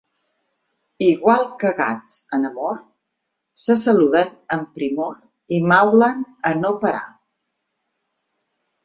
Igual que gats en amor, se saluden amb primor i maulen a no parar.